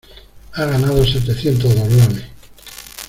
¡ ha ganado setecientos doblones!